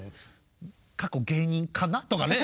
カッコ芸人かな？とかね。